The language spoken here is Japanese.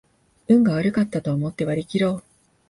運が悪かったと思って割りきろう